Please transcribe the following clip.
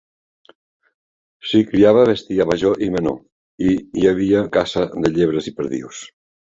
S'hi criava bestiar major i menor, i hi havia caça de llebres i perdius.